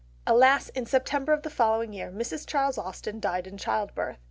Alas, in September of the following year Mrs. Charles Austen died in childbirth.